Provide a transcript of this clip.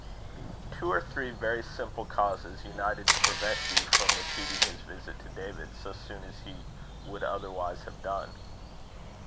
Two or three very simple causes united to prevent Hugh from repeating his visit to David so soon as he would otherwise have done.